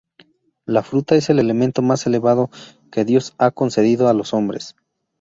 La fruta es el elemento más elevado que Dios ha concedido a los hombres.